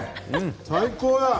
最高だ！